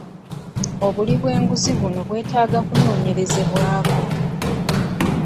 Obuli bw'enguzi buno bwetaaga okunoonyerezebwako.